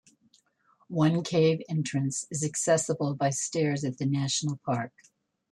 One cave entrance is accessible by stairs at the national park.